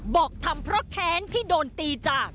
บอกทำเพราะแค้นที่โดนตีจาก